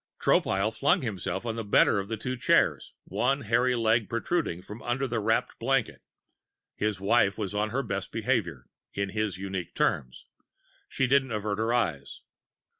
Tropile flung himself on the better of the two chairs, one hairy leg protruding from under the wrapped blankets. His wife was on her best behavior in his unique terms; she didn't avert her eyes.